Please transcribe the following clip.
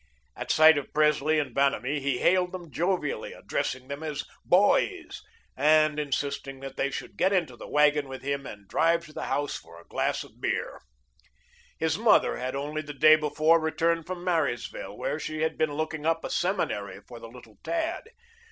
At sight of Presley and Vanamee he hailed them jovially, addressing them as "boys," and insisting that they should get into the wagon with him and drive to the house for a glass of beer. His mother had only the day before returned from Marysville, where she had been looking up a seminary for the little tad.